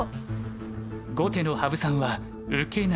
後手の羽生さんは受けなし。